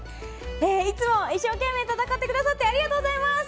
いつも一生懸命戦ってくださりありがとうございます。